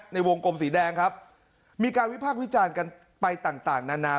ในวงกลมสีแดงครับมีการวิพากษ์วิจารณ์กันไปต่างต่างนานา